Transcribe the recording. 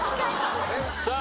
さあ。